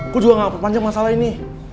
gue juga gak mau memperpanjang masalah ini